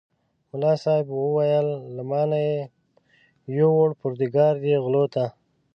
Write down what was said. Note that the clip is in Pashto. ملا صاحب وویل له ما نه یې یووړ پرودګار دې غلو ته.